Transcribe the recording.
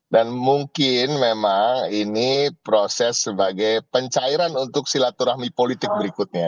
dan mungkin memang ini proses sebagai pencairan untuk silaturahmi politik berikutnya